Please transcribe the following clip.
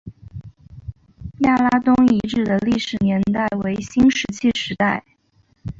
亚拉东遗址的历史年代为新石器时代。